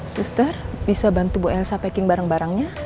suster bisa bantu bu elsa packing barang barangnya